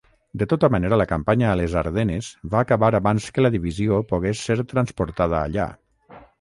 De tota manera, la campanya a les Ardenes va acabar abans que la divisió pogués ser transportada allà.